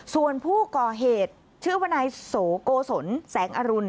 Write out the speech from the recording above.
ส่วนผู้ก่อเหตุชื่อวนายโสโกศลแสงอรุณ